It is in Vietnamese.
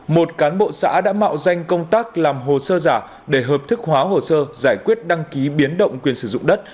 một cán bộ xã đã mạo danh công tác làm hồ sơ giả để hợp thức hóa hồ sơ giải quyết đăng ký biến động quyền sử dụng đất